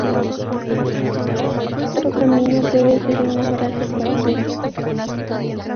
El otro camino puede ser una frase cualquiera".